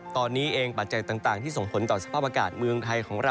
ตอนนี้เองปัจจัยต่างที่ส่งผลต่อสภาพอากาศเมืองไทยของเรา